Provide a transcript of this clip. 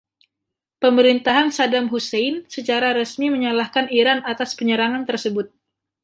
Pemerintahan Saddam Hussein secara resmi menyalahkan Iran atas penyerangan tersebut.